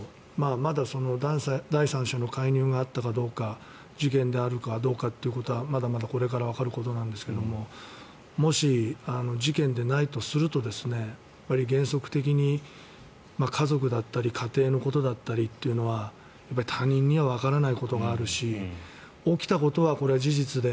まだ第三者の介入があったかどうか事件であるかどうかというのはまだまだ、これからわかることなんですけどももし、事件でないとすると原則的に家族だったり家庭のことだったりというのは他人にはわからないことがあるし起きたことは事実で